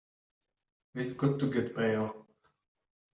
We've got to get bail.